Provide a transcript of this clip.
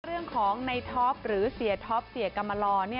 เรื่องของในท็อปหรือเสียท็อปเสียกรรมลอ